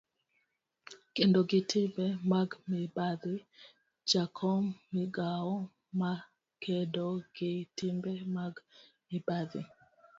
kedo gi timbe mag mibadhi. jakom, migawo makedo gi timbe mag mibadhi